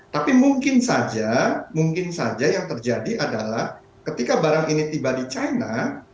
tapi mungkin saja mungkin saja yang terjadi adalah ketika barang ini tiba di china